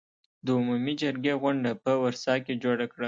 د عمومي جرګې غونډه په ورسا کې جوړه کړه.